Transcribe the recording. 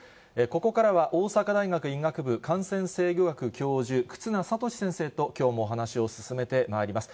ここからは大阪大学医学部感染制御学教授、忽那賢志先生ときょうもお話を進めてまいります。